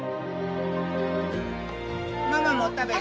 ママも食べる？